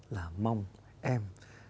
là mong em